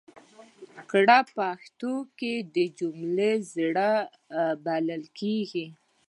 کړ په پښتو کې د جملې زړه بلل کېږي.